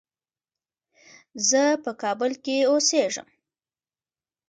زه په کابل کې اوسېږم.